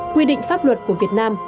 quy định pháp luật của việt nam